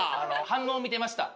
反応を見てました。